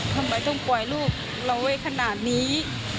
ทำไมต้องปล่อยลูกเราไว้ขนาดนี้